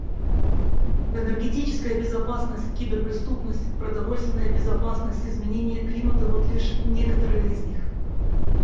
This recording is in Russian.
Энергетическая безопасность, киберпреступность, продовольственная безопасность, изменение климата — вот лишь некоторые из них.